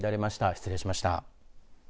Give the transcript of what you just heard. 失礼しました。